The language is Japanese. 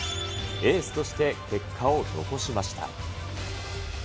エースとして結果を残しました。